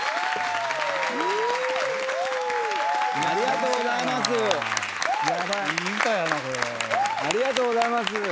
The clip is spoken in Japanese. ありがとうございます！